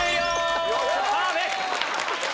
パーフェクト！